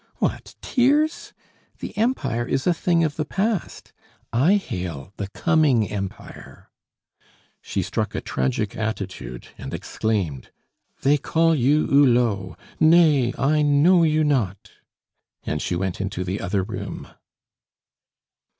What, tears! The Empire is a thing of the past I hail the coming Empire!" She struck a tragic attitude, and exclaimed: "They call you Hulot! Nay, I know you not " And she went into the other room.